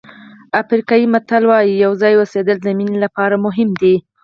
افریقایي متل وایي یو ځای اوسېدل د مینې لپاره مهم دي.